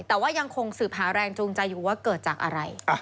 แต่ว่ายังคงสืบหาแรงจูงใจอยู่ว่าเกิดจากอะไร